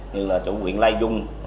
như là chủ huyện lai dung